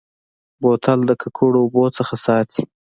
بوتل د ککړو اوبو نه ساتي.